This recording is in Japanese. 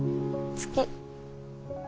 月！